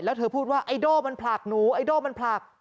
แล้วเธอพูดว่าไอโด่มันผลักหนูไอโด่มันผลัก